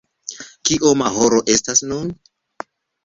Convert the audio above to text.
Kioma horo estas nun?